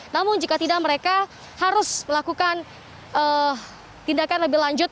namun jika tidak mereka harus melakukan tindakan lebih lanjut